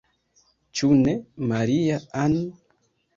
Ĉu ne, Maria-Ann?